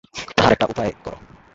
তাহার একটা উপায় কর।